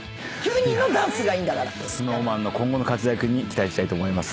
ＳｎｏｗＭａｎの今後の活躍に期待したいと思います。